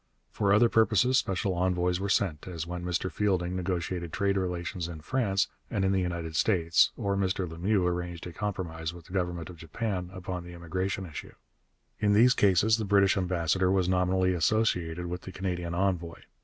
For other purposes special envoys were sent, as when Mr Fielding negotiated trade relations in France and in the United States, or Mr Lemieux arranged a compromise with the government of Japan upon the immigration issue. In these cases the British ambassador was nominally associated with the Canadian envoy.